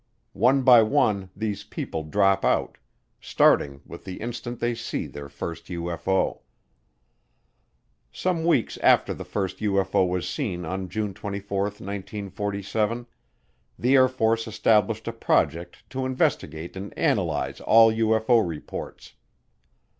One by one these people drop out, starting with the instant they see their first UFO. Some weeks after the first UFO was seen on June 24, 1947, the Air Force established a project to investigate and analyze all UFO reports.